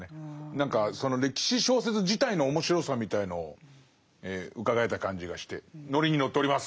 何かその歴史小説自体の面白さみたいのを伺えた感じがしてノリに乗っております。